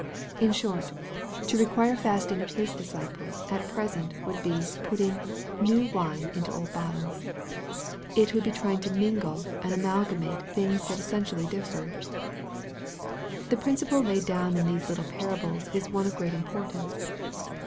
In short, to require fasting of his disciples at present, would be putting " new wine into old bottles." It would be trying to mingle and amalgamate things that essen tially differed. The principle laid down in these little parables is one of great importance.